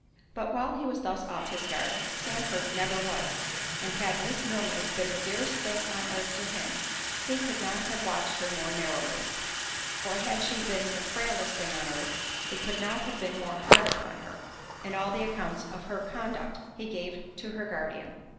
But while he was thus off his guard, Sandford never was—and had Miss Milner been the dearest thing on earth to him, he could not have watched her more narrowly; or had she been the frailest thing on earth, he could not have been more hard upon her, in all the accounts of her conduct he gave to her guardian.